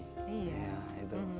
tetapi bukan itu